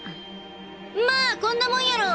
まあこんなもんやろ。